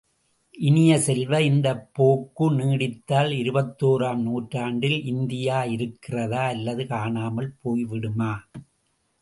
இனிய செல்வ, இந்தப் போக்கு நீடித்தால் இருபத்தோராம் நூற்றாண்டில் இந்தியா இருக்கிறதா அல்லது காணாமல் போய்விடுமா?